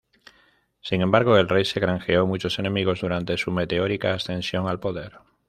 Sin embargo, el rey se granjeó muchos enemigos durante su meteórica ascensión al poder.